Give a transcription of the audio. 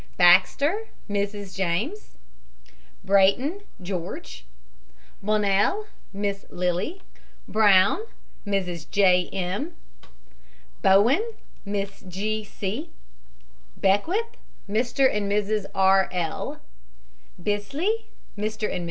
BAXTER, MRS. JAMES. BRAYTON, GEORGE. BONNELL, MISS LILY. BROWN, MRS. J. M. BOWEN, MISS G. C. BECKWITH, MR. AND MRS. R. L. BISLEY, MR. AND MRS.